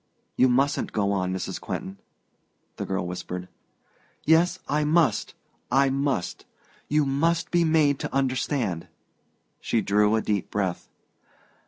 "You mustn't go on, Mrs. Quentin," the girl whispered. "Yes, I must I must! You must be made to understand." She drew a deep breath.